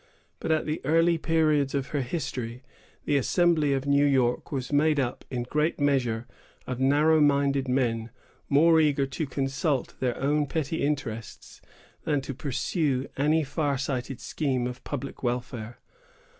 But, at the early periods of her history, the assembly of New York was made up in great measure of narrow minded men, more eager to consult their own petty interests than to pursue any far sighted scheme of public welfare.